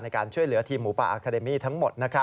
ในการช่วยเหลือทีมหมูป่าอาคาเดมี่ทั้งหมด